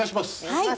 はい！